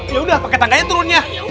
yaudah pake tangganya turunnya